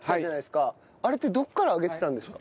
あれってどこからあげてたんですか？